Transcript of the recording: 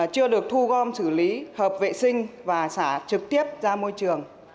chưa được thu gom xử lý hợp vệ sinh và xả trực tiếp ra môi trường